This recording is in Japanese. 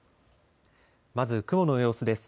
まず雲の様子です。